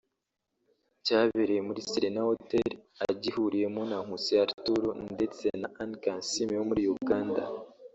Cyabereye muri Serena Hotel agihuriyemo na Nkusi Arthur ndetse na Anne Kansiime wo muri Uganda